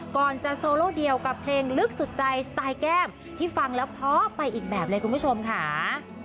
ก่อนจะโซโลเดียวกับเพลงลึกสุดใจสไตล์แก้มที่ฟังแล้วเพราะไปอีกแบบเลยคุณผู้ชมค่ะ